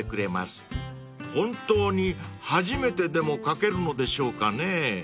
［本当に初めてでも描けるのでしょうかね］